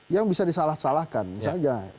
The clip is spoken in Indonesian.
yang bisa disalah salahkan misalnya jangan